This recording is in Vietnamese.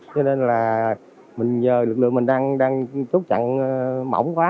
cho nên là mình nhờ lực lượng mình đang chốt chặn mỏng quá